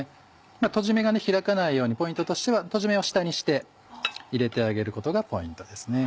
とじ目が開かないようにポイントとしてはとじ目を下にして入れてあげることがポイントです。